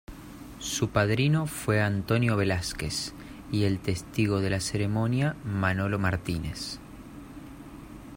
Su padrino fue Antonio Velázquez y el testigo de la ceremonia Manolo Martínez.